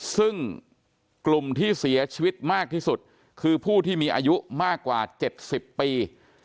ซึ่งกลุ่มที่เสียชีวิตมากที่สุดคือผู้ที่มีอายุมากกว่า๗๐ปี